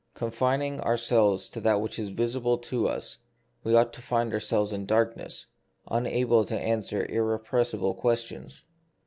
Con fining ourselves to that which is visible to us, we ought to find ourselves in darkness, un able to answer irrepressible questions.